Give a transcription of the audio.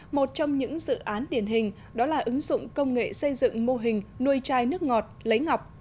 một trong những dự án điển hình đó là ứng dụng công nghệ xây dựng mô hình nuôi chai nước ngọt lấy ngọc